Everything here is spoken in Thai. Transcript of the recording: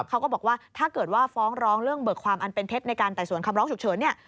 เขาก็บอกว่าถ้าเกิดว่าฟ้องร้องเรื่องเบิกความอันเป็นเท็จในการไต่สวนคำร้องฉุกเฉินเนี่ย